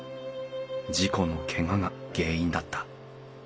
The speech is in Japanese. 事故のけがが原因だった。